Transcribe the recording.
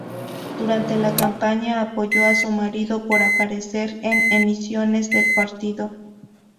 Durante la campaña apoyó a su marido por aparecer en emisiones del partido.